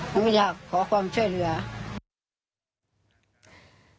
หนูก็อยากขอความช่วยเลยครับ